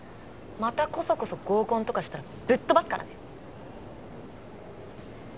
またコソコソ合コンとかしたらぶっ飛ばすからね？